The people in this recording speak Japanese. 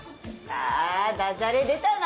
あダジャレ出たな。